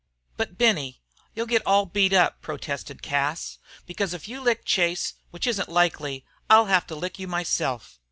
"But, Benny, you 'll get all beat up," protested Cas." Because if you lick Chase, which isn't likely, I'll have to lick you myself."